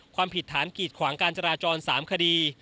ความผิดฐานกีดขวางการจราจร๓คดี